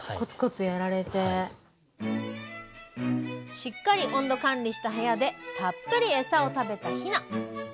しっかり温度管理した部屋でたっぷりエサを食べたヒナ。